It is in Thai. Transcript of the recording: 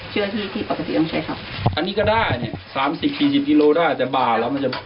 เชือกที่ปกติต้องใช้เขาอันนี้ก็ได้๓๐๔๐กิโลได้แต่บาร์แล้วมันจะมิด